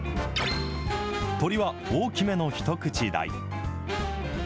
鶏は大きめの一口大。